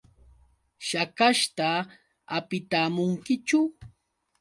¿Shakashta hapitamunkichu?